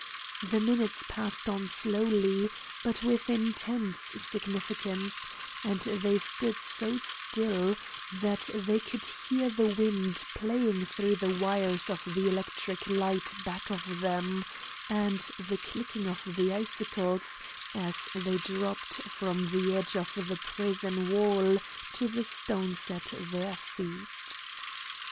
The minutes passed on slowly but with intense significance, and they stood so still that they could hear the wind playing through the wires of the electric light back of them, and the clicking of the icicles as they dropped from the edge of the prison wall to the stones at their feet.